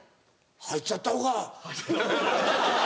入っちゃった方が。